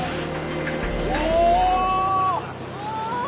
お！